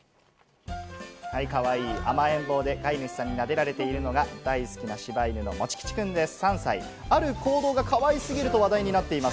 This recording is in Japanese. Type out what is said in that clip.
かわいい甘えん坊で飼い主さんになでられているのが、大好きな柴犬のもち吉くんです。